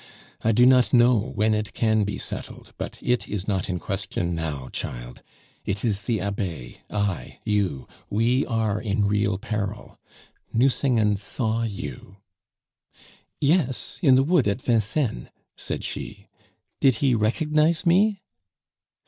"I do not know when it can be settled; but it is not in question now, child! It is the Abbe, I, you. We are in real peril. Nucingen saw you " "Yes, in the wood at Vincennes," said she. "Did he recognize me?"